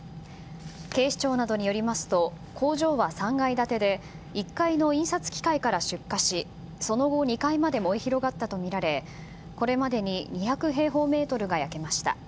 警視庁などによりますと工場は３階建てで１階の印刷機械から出火しその後２階まで燃え広がったとみられこれまでに２００平方メートルが焼けました。